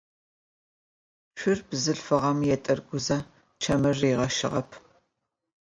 Цур бзылъфыгъэм етӏыргузэ чэмыр ригъэщыгъэп.